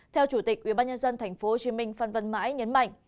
theo chủ tịch ubnd tp hcm phân vân mãi nhấn mạnh